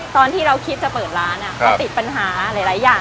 ตอนที่เราคิดจะเปิดร้านอ่ะครับมันติดปัญหาหลายหลายอย่าง